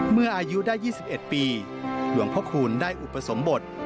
เมื่ออายุได้๒๑ปีหลวงพระคูณได้อุปสมบท